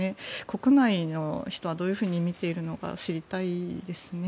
国内の人はどう見ているのか知りたいですね。